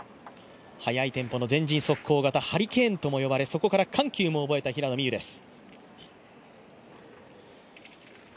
速いテンポの前陣速攻型、ハリケーンとも呼ばれそこから緩急も覚えた平野美宇です。